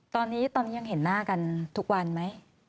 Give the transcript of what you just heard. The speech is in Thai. ตอนนี้ตอนนี้ยังเห็นหน้ากันทุกวันไหม